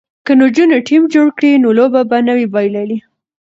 که نجونې ټیم جوړ کړي نو لوبه به نه وي بایللې.